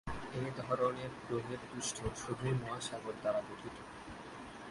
এ ধরনের গ্রহের পৃষ্ঠ শুধুই মহাসাগর দ্বারা গঠিত।